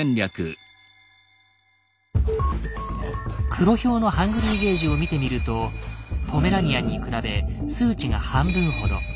クロヒョウの「ＨＵＮＧＲＹ」ゲージを見てみるとポメラニアンに比べ数値が半分ほど。